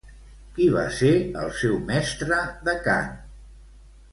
Qui va ser el seu mestre de cant?